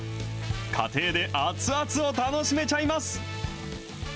家庭で熱々を楽しめちゃいます。